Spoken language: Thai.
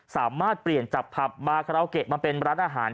สามารถเปลี่ยนจากผับบาคาราโอเกะมาเป็นร้านอาหาร